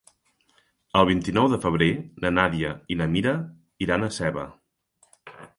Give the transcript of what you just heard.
El vint-i-nou de febrer na Nàdia i na Mira iran a Seva.